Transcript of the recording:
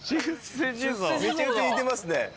めちゃくちゃ似てますね。